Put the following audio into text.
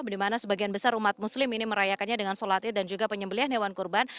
dimana sebagian besar umat muslim ini merayakannya dengan sholatnya dan juga penyembelian hewan kurban